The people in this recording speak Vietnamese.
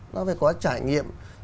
nó phải có trải nghiệm